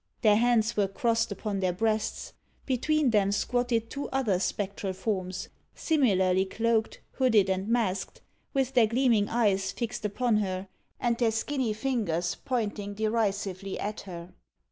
Their hands were crossed upon their breasts. Between them squatted two other spectral forms, similarly cloaked, hooded, and masked, with their gleaming eyes fixed upon her, and their skinny fingers pointed derisively at her.